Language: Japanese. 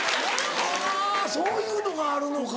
はぁそういうのがあるのか。